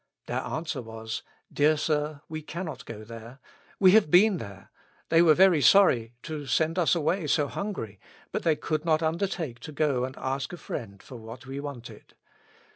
Their answer was, Dear sir, we cannot go there. We have been there : they were very sorry to send us away so hungry, but they could not undertake to go and ask a friend for what we wanted.